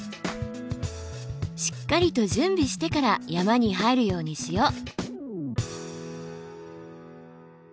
しっかりと準備してから山に入るようにしよう！